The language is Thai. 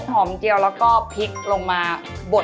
หอมเจียวแล้วก็พริกลงมาบด